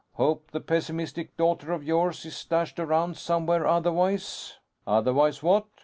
Hope that pessimistic daughter of yours is stashed around somewhere. Otherwise " "Otherwise, what?"